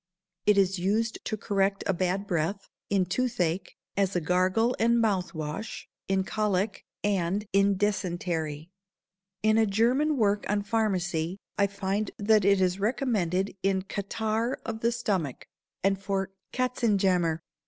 It is used to correct a bad breath, in tooth ache, as a gargle and mouth wash, in colic, and in dysentery. In a German work on pharmacy I find that it is recommended in catarrh of the stomach and for "Katzenjammer."